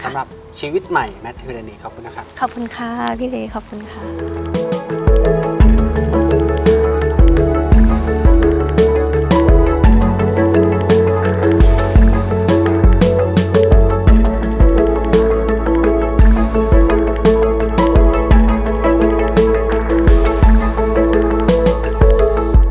สำหรับชีวิตใหม่แมททิวรณีขอบคุณนะครับขอบคุณค่ะพี่เอขอบคุณค่ะ